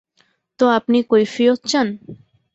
তো আপনি কৈফিয়ত চান?